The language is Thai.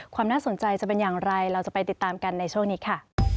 ความน่าสนใจจะเป็นอย่างไรเราจะไปติดตามกันในช่วงนี้ค่ะ